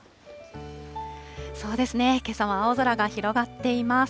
そうですね、けさも青空が広がっています。